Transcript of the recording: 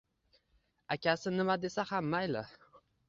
Akasi nima desa ham mayli